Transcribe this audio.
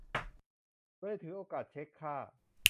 เลยถือโอกาสเช็คค่า